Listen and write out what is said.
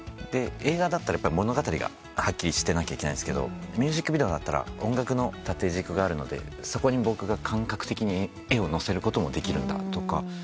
映画だったら物語がはっきりしてなきゃいけないですけどミュージックビデオだったら音楽の縦軸があるのでそこに僕が感覚的に絵をのせることもできるんだとか。